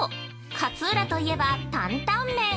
勝浦といえば坦々麺。